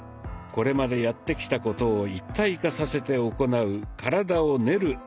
これまでやってきたことを一体化させて行う「体を練る」